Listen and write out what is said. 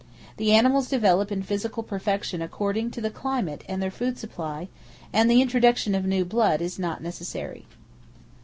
The animals develop in physical perfection according to the climate and their food supply; and the introduction of new blood is not necessary.